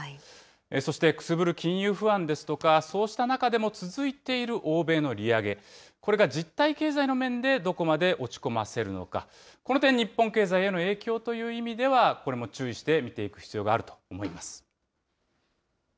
そしてくすぶる金融不安ですとか、そうした中でも続いている欧米の利上げ、これが実体経済の面でどこまで落ち込ませるのか、この点、日本経済への影響という意味では、これも注意して見ていく必要があると思います。